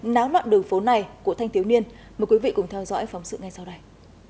náo loạn đường phố này của thanh thiếu niên mời quý vị cùng theo dõi phóng sự ngay sau đây